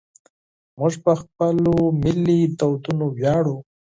موږ په خپلو ملي دودونو ویاړو.